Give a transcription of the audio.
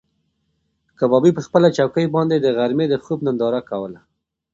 کبابي په خپله چوکۍ باندې د غرمې د خوب ننداره کوله.